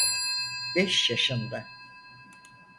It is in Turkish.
Beş yaşında.